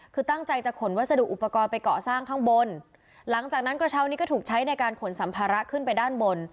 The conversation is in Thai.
คือตั้งใจจะขนวัสดุอุปกรณ์ไปเกาะสร้างข้างบนหลังจากนั้นกระเช้านี้ก็ถูกใช้ในการขนสัมภาระขึ้นไปด้านบน